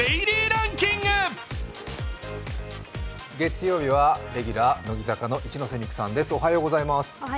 月曜日はレギュラー乃木坂の一ノ瀬美空さんです。